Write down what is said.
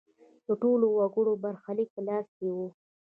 د ټولو وګړو برخلیک په لاس کې و.